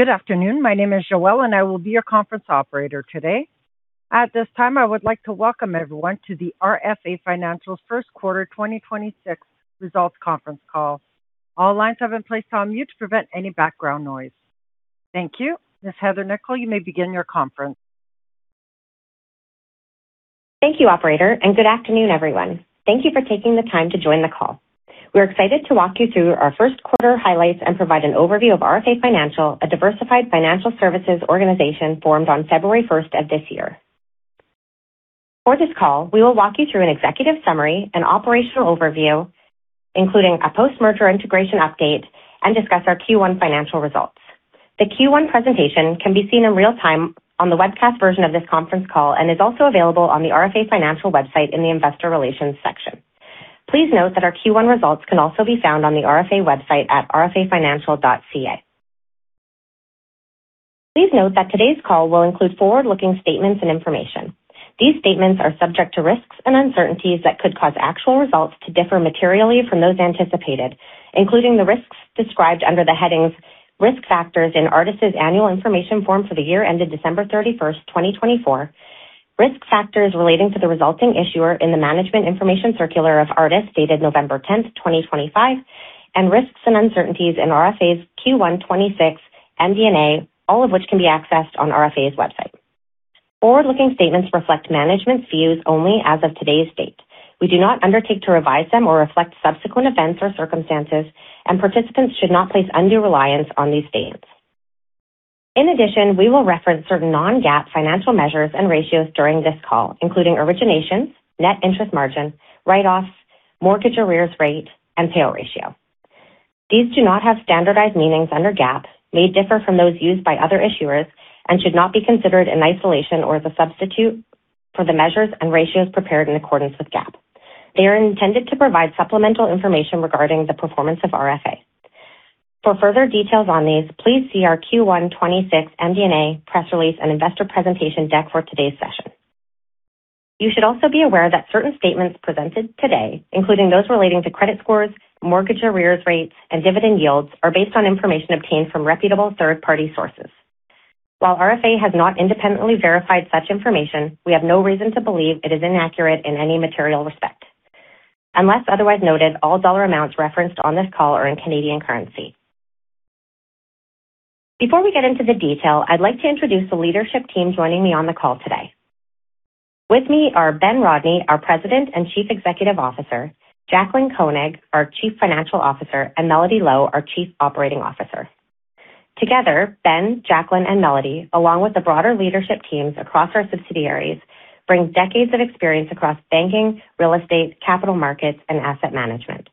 Thank you. Good afternoon. My name is Joelle, and I will be your conference operator today. At this time, I would like to welcome everyone to the RFA Financial First Quarter 2026 Results Conference Call. All lines have been placed on mute to prevent any background noise. Thank you. Ms. Heather Nikkel, you may begin your conference. Thank you, operator. Good afternoon, everyone. Thank you for taking the time to join the call. We're excited to walk you through our first quarter highlights and provide an overview of RFA Financial, a diversified financial services organization formed on February 1st, 2026. For this call, we will walk you through an executive summary and operational overview, including a post-merger integration update, and discuss our Q1 financial results. The Q1 presentation can be seen in real time on the webcast version of this conference call and is also available on the RFA Financial website in the investor relations section. Please note that our Q1 results can also be found on the RFA website at rfafinancial.ca. Please note that today's call will include forward-looking statements and information. These statements are subject to risks and uncertainties that could cause actual results to differ materially from those anticipated, including the risks described under the headings "Risk Factors" in Artis' Annual Information Form for the year ended December 31, 2024. Risk Factors relating to the resulting issuer in the Management Information Circular of Artis dated November 10th, 2025, and risks and uncertainties in RFA's Q1 2026 MD&A, all of which can be accessed on RFA's website. Forward-looking statements reflect management's views only as of today's date. We do not undertake to revise them or reflect subsequent events or circumstances, participants should not place undue reliance on these statements. In addition, we will reference certain non-GAAP financial measures and ratios during this call, including originations, net interest margin, write-offs, mortgage arrears rate, and payout ratio. These do not have standardized meanings under GAAP, may differ from those used by other issuers, and should not be considered in isolation or as a substitute for the measures and ratios prepared in accordance with GAAP. They are intended to provide supplemental information regarding the performance of RFA. For further details on these, please see our Q1 2026 MD&A press release and investor presentation deck for today's session. You should also be aware that certain statements presented today, including those relating to credit scores, mortgage arrears rates, and dividend yields, are based on information obtained from reputable third-party sources. While RFA has not independently verified such information, we have no reason to believe it is inaccurate in any material respect. Unless otherwise noted, all dollar amounts referenced on this call are in Canadian currency. Before we get into the detail, I'd like to introduce the leadership team joining me on the call today. With me are Ben Rodney, our President and Chief Executive Officer, Jaclyn Koenig, our Chief Financial Officer, and Melody Lo, our Chief Operating Officer. Together, Ben, Jaclyn, and Melody, along with the broader leadership teams across our subsidiaries, bring decades of experience across banking, real estate, capital markets, and asset management.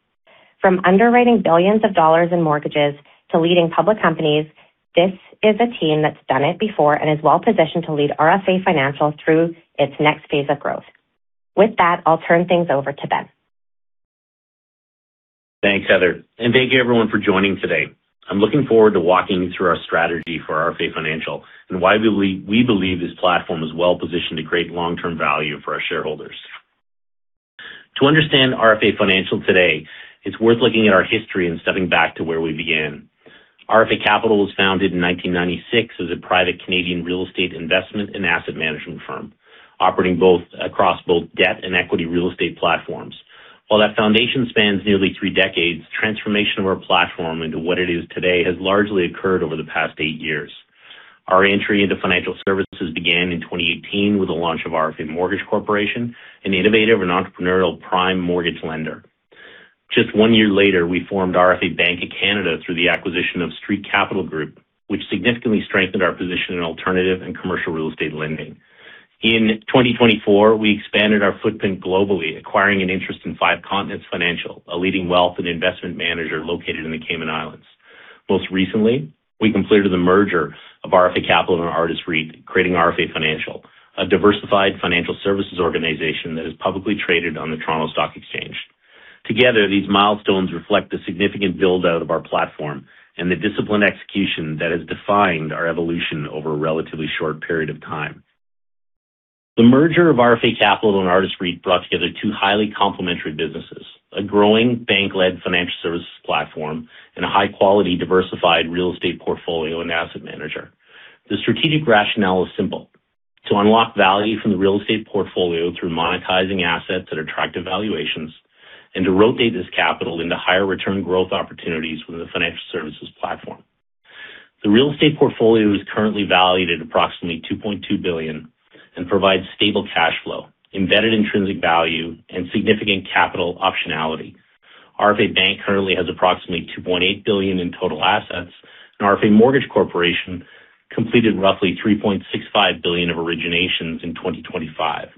From underwriting billions of dollars in mortgages to leading public companies, this is a team that's done it before and is well-positioned to lead RFA Financial through its next phase of growth. With that, I'll turn things over to Ben. Thanks, Heather, and thank you everyone for joining today. I'm looking forward to walking you through our strategy for RFA Financial and why we believe this platform is well-positioned to create long-term value for our shareholders. To understand RFA Financial today, it's worth looking at our history and stepping back to where we began. RFA Capital was founded in 1996 as a private Canadian real estate investment and asset management firm, operating across both debt and equity real estate platforms. While that foundation spans nearly three decades, transformation of our platform into what it is today has largely occurred over the past eight years. Our entry into financial services began in 2018 with the launch of RFA Mortgage Corporation, an innovative and entrepreneurial prime mortgage lender. Just one year later, we formed RFA Bank of Canada through the acquisition of Street Capital Group, which significantly strengthened our position in alternative and commercial real estate lending. In 2024, we expanded our footprint globally, acquiring an interest in Five Continents Financial, a leading wealth and investment manager located in the Cayman Islands. Most recently, we completed the merger of RFA Capital and Artis REIT, creating RFA Financial, a diversified financial services organization that is publicly traded on the Toronto Stock Exchange. Together, these milestones reflect the significant build-out of our platform and the disciplined execution that has defined our evolution over a relatively short period of time. The merger of RFA Capital and Artis REIT brought together two highly complementary businesses, a growing bank-led financial services platform and a high-quality, diversified real estate portfolio and asset manager. The strategic rationale is simple: to unlock value from the real estate portfolio through monetizing assets at attractive valuations and to rotate this capital into higher-return growth opportunities within the financial services platform. The real estate portfolio is currently valued at approximately 2.2 billion and provides stable cash flow, embedded intrinsic value, and significant capital optionality. RFA Bank currently has approximately 2.8 billion in total assets, and RFA Mortgage Corporation completed roughly 3.65 billion of originations in 2025.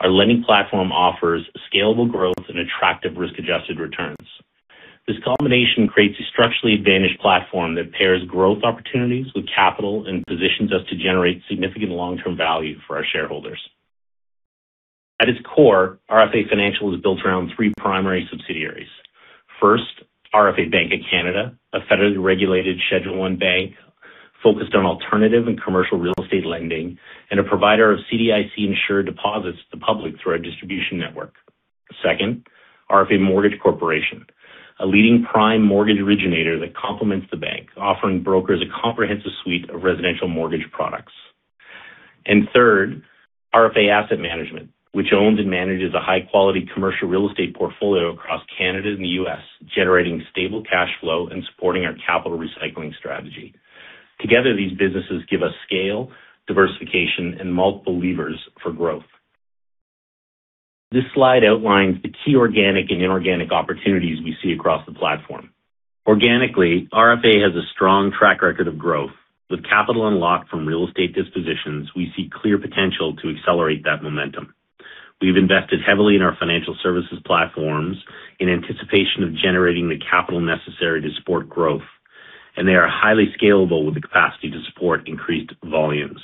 Our lending platform offers scalable growth and attractive risk-adjusted returns. This combination creates a structurally advantaged platform that pairs growth opportunities with capital and positions us to generate significant long-term value for our shareholders. At its core, RFA Financial is built around three primary subsidiaries. First, RFA Bank of Canada, a federally regulated Schedule I bank focused on alternative and commercial real estate lending, and a provider of CDIC-insured deposits to the public through our distribution network. RFA Mortgage Corporation, a leading prime mortgage originator that complements the bank, offering brokers a comprehensive suite of residential mortgage products. Third, RFA Asset Management, which owns and manages a high-quality commercial real estate portfolio across Canada and the U.S., generating stable cash flow and supporting our capital recycling strategy. Together, these businesses give us scale, diversification, and multiple levers for growth. This slide outlines the key organic and inorganic opportunities we see across the platform. Organically, RFA has a strong track record of growth. With capital unlocked from real estate dispositions, we see clear potential to accelerate that momentum. We've invested heavily in our financial services platforms in anticipation of generating the capital necessary to support growth, and they are highly scalable with the capacity to support increased volumes.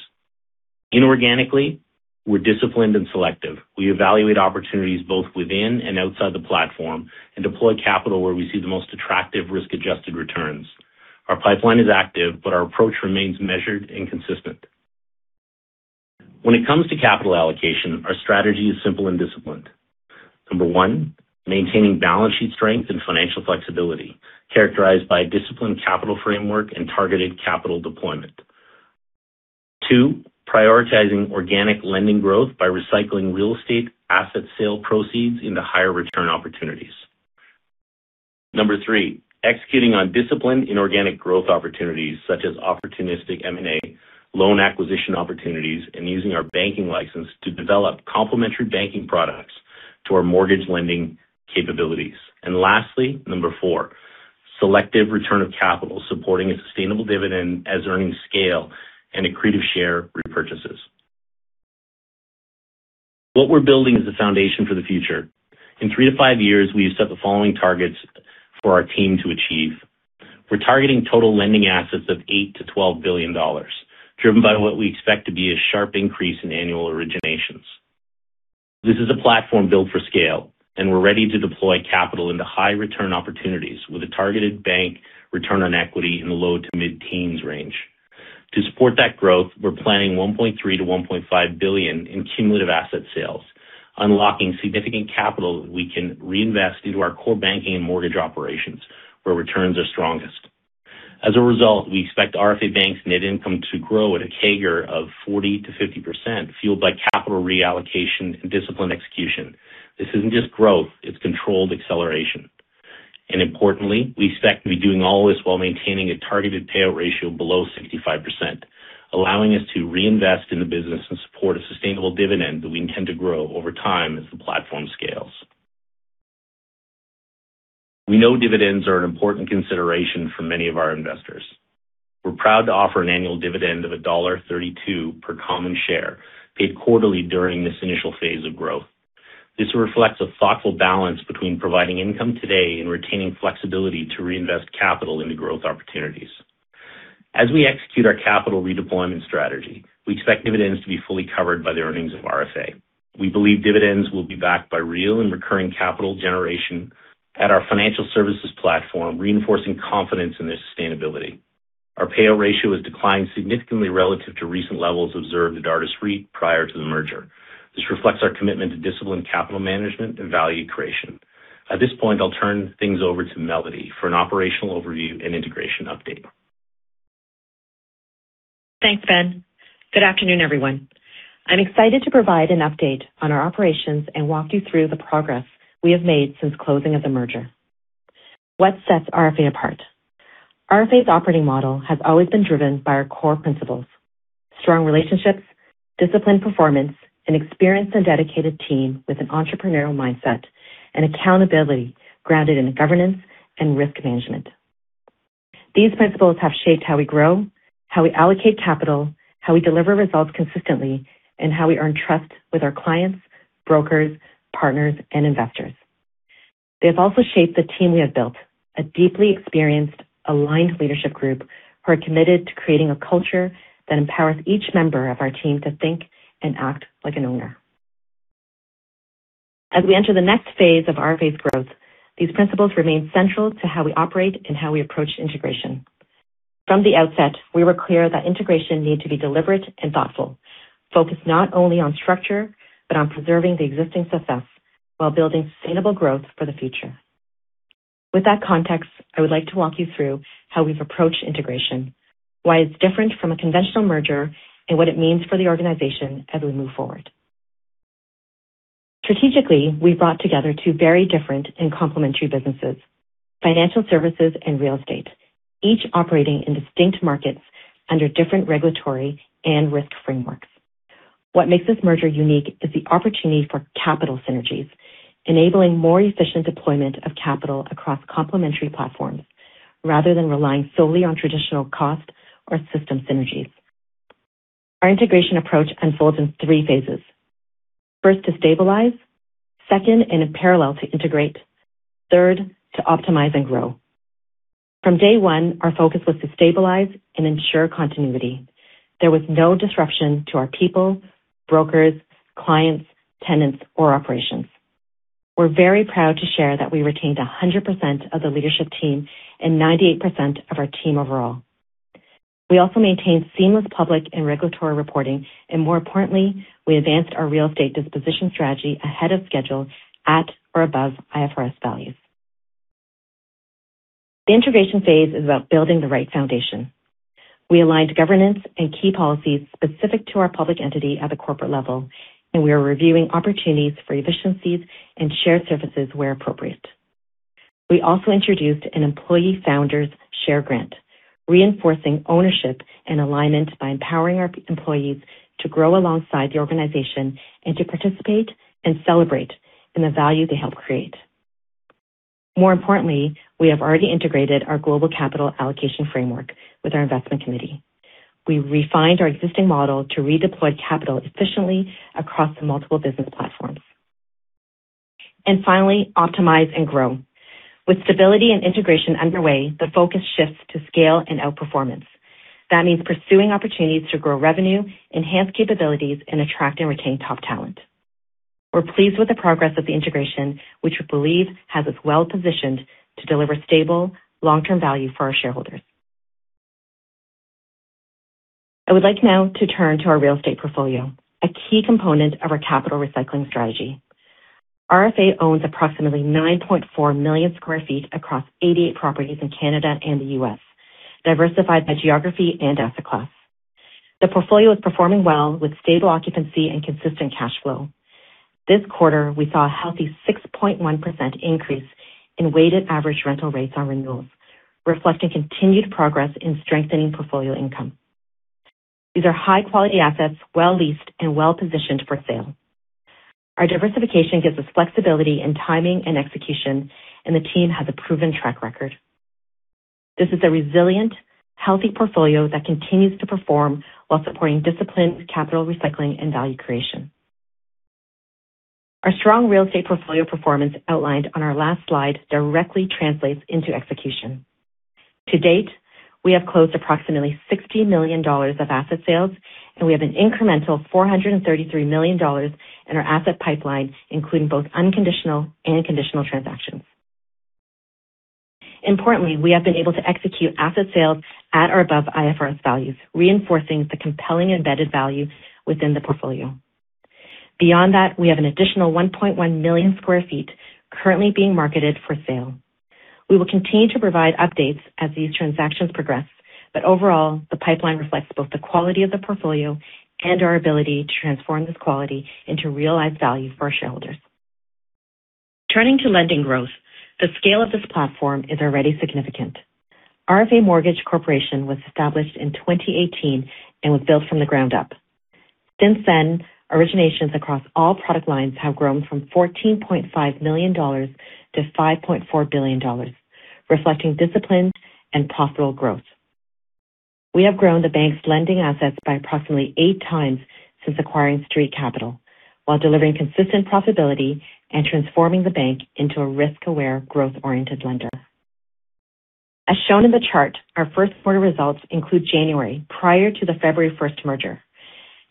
Inorganically, we're disciplined and selective. We evaluate opportunities both within and outside the platform and deploy capital where we see the most attractive risk-adjusted returns. Our pipeline is active, but our approach remains measured and consistent. When it comes to capital allocation, our strategy is simple and disciplined. Number one, maintaining balance sheet strength and financial flexibility characterized by a disciplined capital framework and targeted capital deployment. Two, prioritizing organic lending growth by recycling real estate asset sale proceeds into higher return opportunities. Number three, executing on disciplined inorganic growth opportunities such as opportunistic M&A, loan acquisition opportunities, and using our banking license to develop complementary banking products to our mortgage lending capabilities. Lastly, number four, selective return of capital, supporting a sustainable dividend as earnings scale and accretive share repurchases. What we're building is the foundation for the future. In three-five years, we have set the following targets for our team to achieve. We're targeting total lending assets of 8 billion-12 billion dollars, driven by what we expect to be a sharp increase in annual originations. This is a platform built for scale. We're ready to deploy capital into high-return opportunities with a targeted bank return on equity in the low to mid-teens range. To support that growth, we're planning 1.3 billion-1.5 billion in cumulative asset sales, unlocking significant capital that we can reinvest into our core banking and mortgage operations where returns are strongest. As a result, we expect RFA Bank's net income to grow at a CAGR of 40%-50%, fueled by capital reallocation and disciplined execution. Importantly, we expect to be doing all this while maintaining a targeted payout ratio below 65%, allowing us to reinvest in the business and support a sustainable dividend that we intend to grow over time as the platform scales. We know dividends are an important consideration for many of our investors. We're proud to offer an annual dividend of dollar 1.32 per common share paid quarterly during this initial phase of growth. This reflects a thoughtful balance between providing income today and retaining flexibility to reinvest capital into growth opportunities. As we execute our capital redeployment strategy, we expect dividends to be fully covered by the earnings of RFA. We believe dividends will be backed by real and recurring capital generation at our financial services platform, reinforcing confidence in their sustainability. Our payout ratio has declined significantly relative to recent levels observed at Artis REIT prior to the merger. This reflects our commitment to disciplined capital management and value creation. At this point, I'll turn things over to Melody for an operational overview and integration update. Thanks, Ben. Good afternoon, everyone. I'm excited to provide an update on our operations and walk you through the progress we have made since closing of the merger. What sets RFA apart? RFA's operating model has always been driven by our core principles, strong relationships, disciplined performance, an experienced and dedicated team with an entrepreneurial mindset, and accountability grounded in governance and risk management. These principles have shaped how we grow, how we allocate capital, how we deliver results consistently, and how we earn trust with our clients, brokers, partners, and investors. They have also shaped the team we have built, a deeply experienced, aligned leadership group who are committed to creating a culture that empowers each member of our team to think and act like an owner. As we enter the next phase of RFA's growth, these principles remain central to how we operate and how we approach integration. From the outset, we were clear that integration needed to be deliberate and thoughtful, focused not only on structure but on preserving the existing success while building sustainable growth for the future. With that context, I would like to walk you through how we've approached integration, why it's different from a conventional merger, and what it means for the organization as we move forward. Strategically, we brought together two very different and complementary businesses, financial services and real estate, each operating in distinct markets under different regulatory and risk frameworks. What makes this merger unique is the opportunity for capital synergies, enabling more efficient deployment of capital across complementary platforms rather than relying solely on traditional cost or system synergies. Our integration approach unfolds in three phases. First, to stabilize. Second, in parallel, to integrate. Third, to optimize and grow. From day one, our focus was to stabilize and ensure continuity. There was no disruption to our people, brokers, clients, tenants, or operations. We are very proud to share that we retained 100% of the leadership team and 98% of our team overall. We also maintain seamless public and regulatory reporting, and more importantly, we advanced our real estate disposition strategy ahead of schedule at or above IFRS values. The integration phase is about building the right foundation. We aligned governance and key policies specific to our public entity at the corporate level, and we are reviewing opportunities for efficiencies and shared services where appropriate. We also introduced an employee founders share grant, reinforcing ownership and alignment by empowering our employees to grow alongside the organization and to participate and celebrate in the value they help create. More importantly, we have already integrated our global capital allocation framework with our investment committee. We refined our existing model to redeploy capital efficiently across the multiple business platforms. Finally, optimize and grow. With stability and integration underway, the focus shifts to scale and outperformance. That means pursuing opportunities to grow revenue, enhance capabilities, and attract and retain top talent. We're pleased with the progress of the integration, which we believe has us well-positioned to deliver stable, long-term value for our shareholders. I would like now to turn to our real estate portfolio, a key component of our capital recycling strategy. RFA owns approximately 9.4 million sq ft across 88 properties in Canada and the U.S., diversified by geography and asset class. The portfolio is performing well with stable occupancy and consistent cash flow. This quarter, we saw a healthy 6.1% increase in weighted average rental rates on renewals, reflecting continued progress in strengthening portfolio income. These are high-quality assets, well leased and well-positioned for sale. Our diversification gives us flexibility in timing and execution, and the team has a proven track record. This is a resilient, healthy portfolio that continues to perform while supporting disciplined capital recycling and value creation. Our strong real estate portfolio performance outlined on our last slide directly translates into execution. To date, we have closed approximately 60 million dollars of asset sales, and we have an incremental 433 million dollars in our asset pipeline, including both unconditional and conditional transactions. Importantly, we have been able to execute asset sales at or above IFRS values, reinforcing the compelling embedded value within the portfolio. Beyond that, we have an additional 1.1 million sq ft currently being marketed for sale. We will continue to provide updates as these transactions progress. Overall, the pipeline reflects both the quality of the portfolio and our ability to transform this quality into realized value for our shareholders. Turning to lending growth, the scale of this platform is already significant. RFA Mortgage Corporation was established in 2018 and was built from the ground up. Since then, originations across all product lines have grown from 14.5 million-5.4 billion dollars, reflecting disciplined and profitable growth. We have grown the bank's lending assets by approximately 8x since acquiring Street Capital while delivering consistent profitability and transforming the bank into a risk-aware, growth-oriented lender. As shown in the chart, our first quarter results include January prior to the February first merger.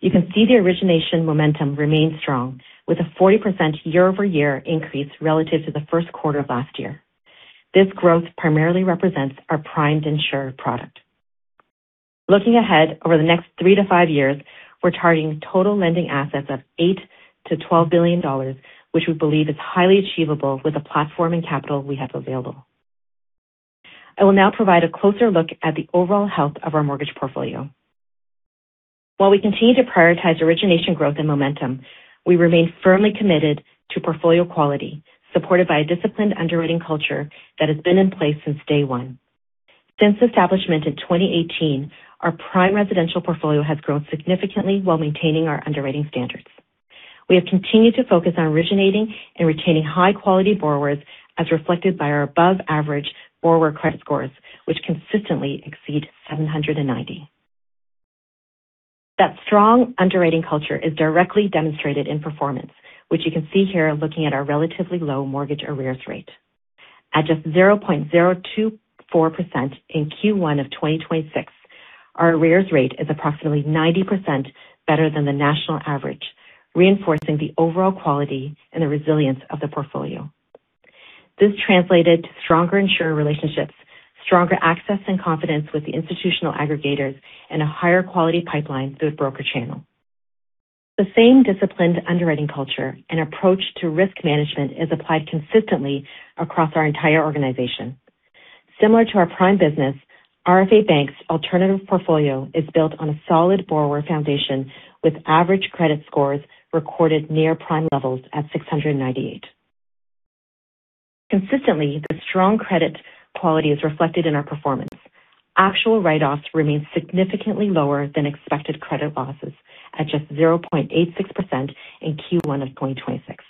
You can see the origination momentum remains strong with a 40% year-over-year increase relative to the first quarter of last year. This growth primarily represents our prime insurer product. Looking ahead, over the next three-five years, we're targeting total lending assets of 8 billion-12 billion dollars, which we believe is highly achievable with the platform and capital we have available. I will now provide a closer look at the overall health of our mortgage portfolio. While we continue to prioritize origination growth and momentum, we remain firmly committed to portfolio quality, supported by a disciplined underwriting culture that has been in place since day one. Since establishment in 2018, our prime residential portfolio has grown significantly while maintaining our underwriting standards. We have continued to focus on originating and retaining high-quality borrowers, as reflected by our above-average borrower credit scores, which consistently exceed 790. That strong underwriting culture is directly demonstrated in performance, which you can see here looking at our relatively low mortgage arrears rate. At just 0.024% in Q1 of 2026, our arrears rate is approximately 90% better than the national average, reinforcing the overall quality and the resilience of the portfolio. This translated to stronger insurer relationships, stronger access and confidence with the institutional aggregators, and a higher quality pipeline through the broker channel. The same disciplined underwriting culture and approach to risk management is applied consistently across our entire organization. Similar to our prime business, RFA Bank's alternative portfolio is built on a solid borrower foundation with average credit scores recorded near prime levels at 698. Consistently, the strong credit quality is reflected in our performance. Actual write-offs remain significantly lower than expected credit losses at just 0.86% in Q1 of 2026.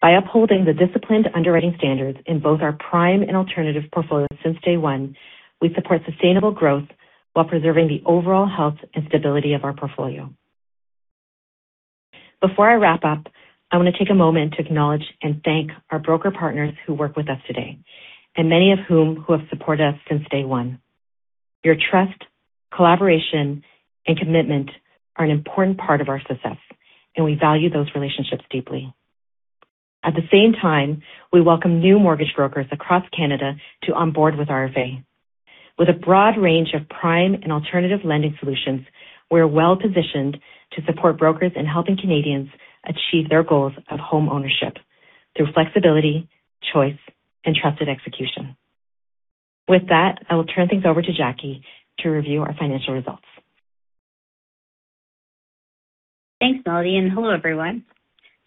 By upholding the disciplined underwriting standards in both our prime and alternative portfolios since day one, we support sustainable growth while preserving the overall health and stability of our portfolio. Before I wrap up, I want to take a moment to acknowledge and thank our broker partners who work with us today, and many of whom who have supported us since day one. Your trust, collaboration, and commitment are an important part of our success, and we value those relationships deeply. At the same time, we welcome new mortgage brokers across Canada to onboard with RFA. With a broad range of prime and alternative lending solutions, we are well-positioned to support brokers in helping Canadians achieve their goals of homeownership through flexibility, choice, and trusted execution. With that, I will turn things over to Jackie to review our financial results. Thanks, Melody. Hello, everyone.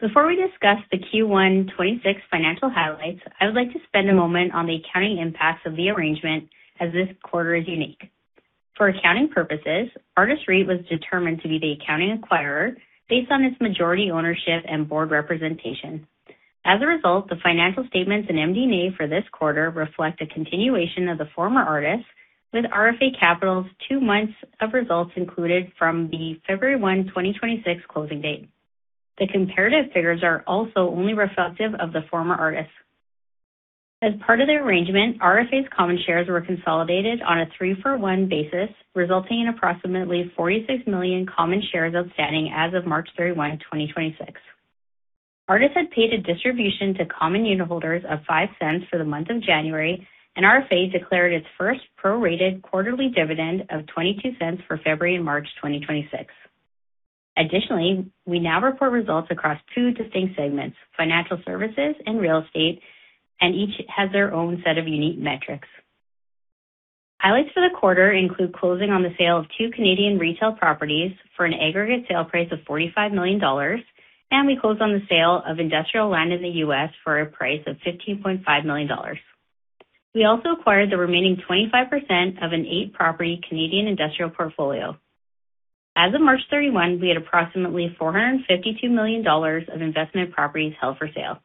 Before we discuss the Q1 2026 financial highlights, I would like to spend a moment on the accounting impacts of the arrangement, as this quarter is unique. For accounting purposes, Artis REIT was determined to be the accounting acquirer based on its majority ownership and board representation. As a result, the financial statements in MD&A for this quarter reflect a continuation of the former Artis with RFA Capital's two months of results included from the February 1, 2026 closing date. The comparative figures are also only reflective of the former Artis. As part of the arrangement, RFA's common shares were consolidated on a three-for-one basis, resulting in approximately 46 million common shares outstanding as of March 31, 2026. Artis had paid a distribution to common unitholders of 0.05 for the month of January, and RFA declared its first prorated quarterly dividend of 0.22 for February and March 2026. Additionally, we now report results across two distinct segments, financial services and real estate, and each has their own set of unique metrics. Highlights for the quarter include closing on the sale of two Canadian retail properties for an aggregate sale price of 45 million dollars, and we closed on the sale of industrial land in the U.S. for a price of 15.5 million dollars. We also acquired the remaining 25% of an eight-property Canadian industrial portfolio. As of March 31, we had approximately 452 million dollars of investment properties held for sale.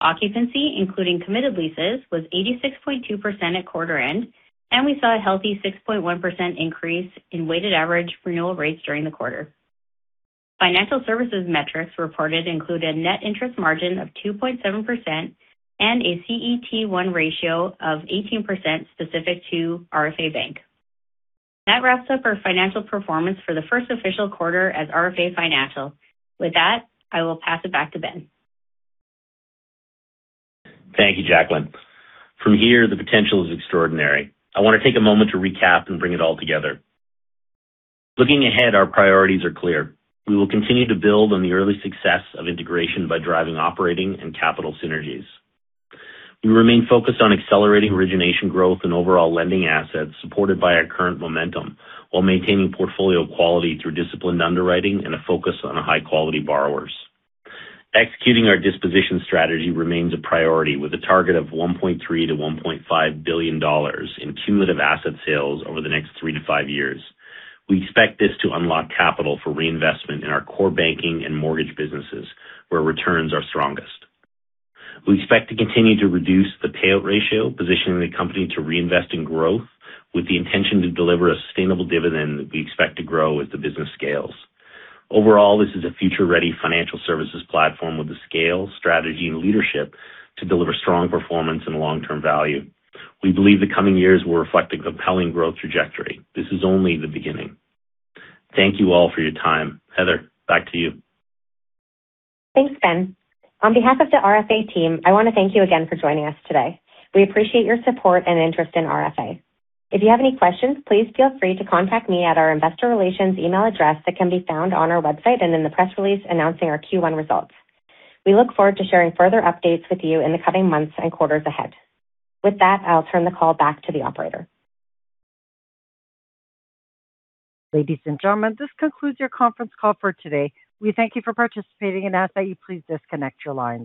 Occupancy, including committed leases, was 86.2% at quarter end, and we saw a healthy 6.1% increase in weighted average renewal rates during the quarter. Financial services metrics reported include a net interest margin of 2.7% and a CET1 ratio of 18% specific to RFA Bank. That wraps up our financial performance for the first official quarter as RFA Financial. With that, I will pass it back to Ben. Thank you, Jaclyn. From here, the potential is extraordinary. I want to take a moment to recap and bring it all together. Looking ahead, our priorities are clear. We will continue to build on the early success of integration by driving operating and capital synergies. We remain focused on accelerating origination growth and overall lending assets supported by our current momentum while maintaining portfolio quality through disciplined underwriting and a focus on high-quality borrowers. Executing our disposition strategy remains a priority, with a target of 1.3 billion-1.5 billion dollars in cumulative asset sales over the next three-five years. We expect this to unlock capital for reinvestment in our core banking and mortgage businesses, where returns are strongest. We expect to continue to reduce the payout ratio, positioning the company to reinvest in growth with the intention to deliver a sustainable dividend that we expect to grow as the business scales. Overall, this is a future-ready financial services platform with the scale, strategy, and leadership to deliver strong performance and long-term value. We believe the coming years will reflect a compelling growth trajectory. This is only the beginning. Thank you all for your time. Heather, back to you. Thanks, Ben. On behalf of the RFA team, I want to thank you again for joining us today. We appreciate your support and interest in RFA. If you have any questions, please feel free to contact me at our investor relations email address that can be found on our website and in the press release announcing our Q1 results. We look forward to sharing further updates with you in the coming months and quarters ahead. With that, I'll turn the call back to the operator. Ladies and gentlemen, this concludes your conference call for today. We thank you for participating and ask that you please disconnect your lines.